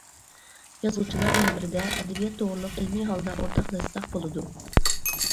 يازغۇچىلار مۇنبىرىدە ئەدەبىيات توغرىلىق ئىلمىي ھالدا ئورتاقلاشساق بولىدۇ.